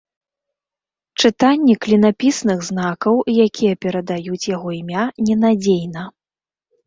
Чытанне клінапісных знакаў, якія перадаюць яго імя, ненадзейна.